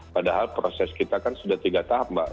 padahal proses kita kan sudah tiga tahap mbak